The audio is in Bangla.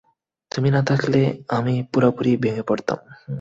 তুমি না থাকলে আমি পুরোপুরি ভেঙ্গে পড়তাম।